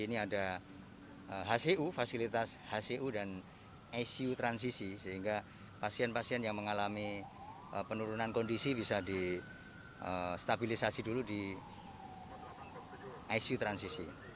ini ada hcu fasilitas hcu dan icu transisi sehingga pasien pasien yang mengalami penurunan kondisi bisa di stabilisasi dulu di icu transisi